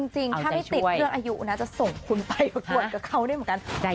จริงถ้าไม่ติดเรื่องอายุนะจะส่งคุณไปประกวดกับเขาได้เหมือนกัน